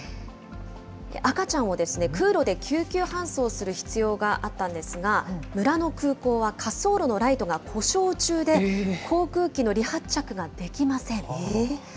赤ちゃんを空路で救急搬送する必要があったんですが、村の空港は滑走路のライトが故障中で、航空機の離発着ができません。